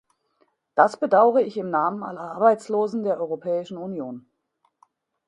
Das bedaure ich im Namen aller Arbeitslosen der Europäischen Union.